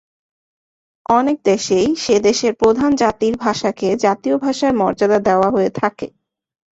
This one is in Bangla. অনেক দেশেই সে দেশের প্রধান জাতির ভাষাকে জাতীয় ভাষার মর্যাদা দেওয়া হয়ে থাকে।